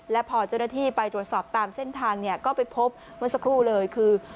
และพอเจ้าหน้าที่ไปตรวจสอบตามเส้นทางเนี่ยก็ไปพบเมื่อสักครู่เลยคือ